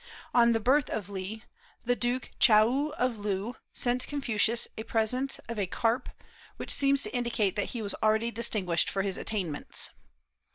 On the birth of Le, the duke Ch'aou of Loo sent Confucius a present of a carp, which seems to indicate that he was already distinguished for his attainments.